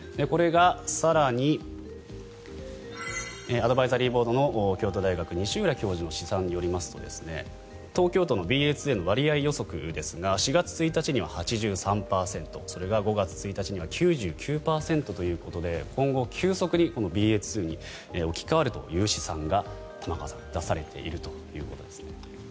これが更にアドバイザリーボードの京都大学の西浦教授の試算によりますと東京都のＢＡ．２の割合予測ですが４月１日には８３％それが５月１日には９５％ということで今後、急速にＢＡ．２に置き換わるという試算が出されているということです。